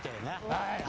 はい。